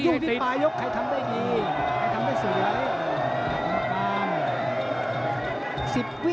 ให้ทำได้ดี